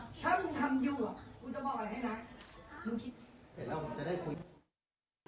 ถ้าคุณทำอยู่หรอกกูจะบอกอะไรให้รัก